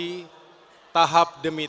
dan mencapai kemampuan yang sangat penting